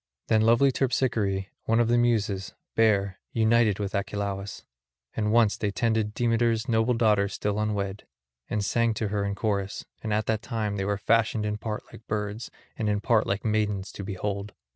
Them lovely Terpsichore, one of the Muses, bare, united with Achelous; and once they tended Demeter's noble daughter still unwed, and sang to her in chorus; and at that time they were fashioned in part like birds and in part like maidens to behold.